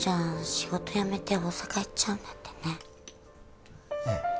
仕事辞めて大阪行っちゃうんだってねええ